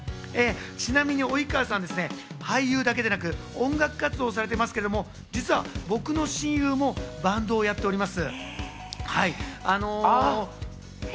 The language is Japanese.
ちなみに及川さん、俳優だけでなく、音楽活動をされてますけれども、実は僕の親友もバンドをやっております。